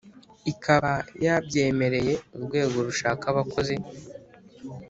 ikaba yabyemereye urwego rushaka abakozi